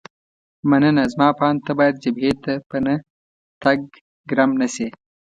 مننه، زما په اند ته باید جبهې ته په نه تګ ګرم نه شې.